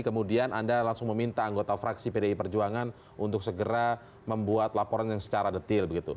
kemudian anda langsung meminta anggota fraksi pdi perjuangan untuk segera membuat laporan yang secara detail begitu